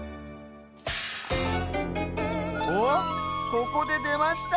おっここででました。